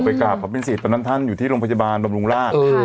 กราบขอเป็นสิทธิตอนนั้นท่านอยู่ที่โรงพยาบาลบำรุงราช